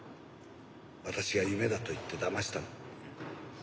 私が夢だと言ってだましたの。